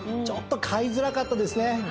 ちょっと買いづらかったですね。